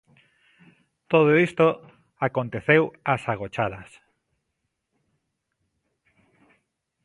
Todo isto aconteceu ás agochadas.